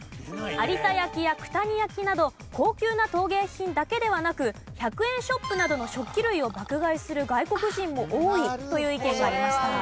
有田焼や九谷焼など高級な陶芸品だけではなく１００円ショップなどの食器類を爆買いする外国人も多いという意見がありました。